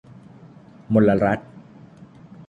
มลรัฐ